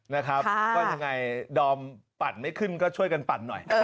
นะครับก็ยังไงดอมปั่นไม่ขึ้นก็ช่วยกันปั่นหน่อย